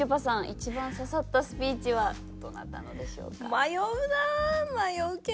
一番刺さったスピーチはどなたのでしょうか？